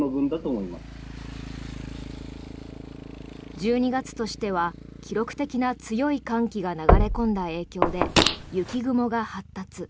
１２月としては記録的な強い寒気が流れ込んだ影響で雪雲が発達。